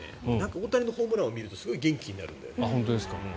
大谷のホームランを見るとすごい元気になるんだよね。